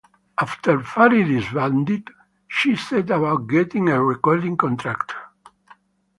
After Fari disbanded she set about getting a recording contract.